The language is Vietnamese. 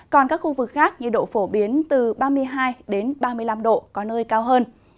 còn các khu vực khác như độ phổ biến từ ba mươi hai ba mươi năm độ có nơi cao hơn